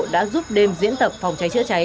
đã giúp đêm diễn tập phòng cháy chữa cháy